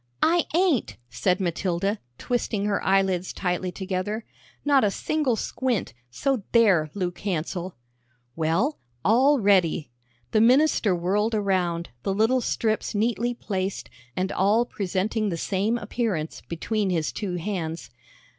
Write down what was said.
"I ain't," said Matilda, twisting her eyelids tightly together; "not a single squint, so there, Luke Hansell." "Well, all ready!" The minister whirled around, the little strips neatly placed, and all presenting the same appearance, between his two hands.